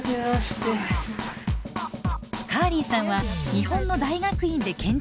カーリーさんは日本の大学院で建築を専攻。